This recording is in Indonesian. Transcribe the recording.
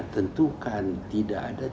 tentukan tidak ada